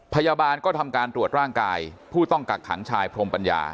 พยาบาลก็ทำการตรวจร่างกายผู้ต้องกักขังชายพรมปัญญา